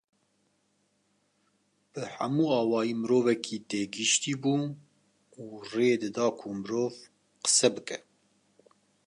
Bi hemû awayî mirovekî têgihiştî bû û rê dida ku mirov qise bike